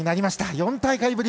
４大会ぶり